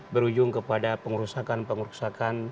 berujung kepada pengurusakan pengurusakan